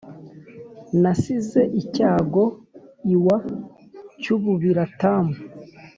Nasize icyago iwa Cyububira-tamu